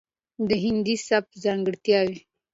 ،دهندي سبک ځانګړتياوې،